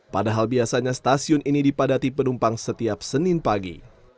padahal biasanya stasiun ini dipadati penumpang setiap senin pagi